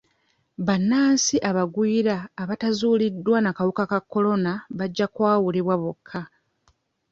Bannansi abagwira abataazuuliddwa na kawuka ka kolona bajja kwawulibwa bokka